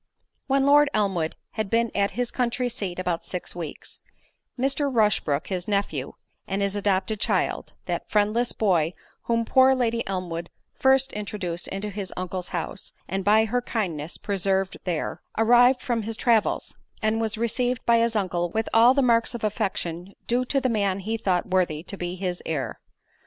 When Lord Elmwood had been at his country seat about six weeks, Mr. Rushbrook, his nephew, and his adopted child—that friendless boy whom poor Lady Elmwood first introduced into his uncle's house, and by her kindness preserved there—arrived from his travels, and was received by his uncle with all the marks of affection due to the man he thought worthy to be his heir.